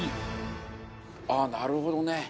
あっなるほどね。